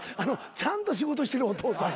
ちゃんと仕事してるお父さん。